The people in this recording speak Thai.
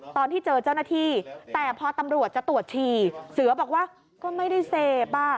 ตอนที่เจอเจ้าหน้าที่แต่พอตำรวจจะตรวจฉี่เสือบอกว่าก็ไม่ได้เสพ